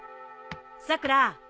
さくら。